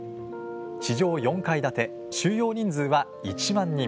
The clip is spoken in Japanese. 地上４階建て、収容人数は１万人。